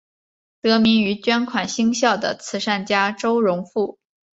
得名于捐款兴校的慈善家周荣富。